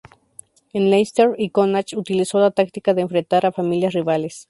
En Leinster y Connacht utilizó la táctica de enfrentar a familias rivales.